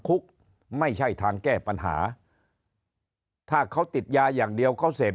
คุกไม่ใช่ทางแก้ปัญหาถ้าเขาติดยาอย่างเดียวเขาเสพ